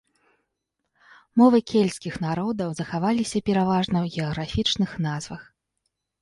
Мовы кельцкіх народаў захаваліся пераважна ў геаграфічных назвах.